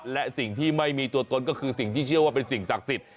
และสิ่งที่ไม่มีตัวตนก็คือสิ่งที่เชื่อว่าเป็นสิ่งศักดิ์สิทธิ์